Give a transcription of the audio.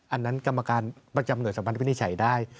อันนั้นกรรมการประจำหน่วยสำคัญวินิจฉัยได้